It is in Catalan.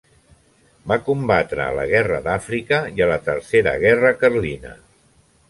Va combatre a la Guerra d'Àfrica i a la Tercera Guerra Carlina.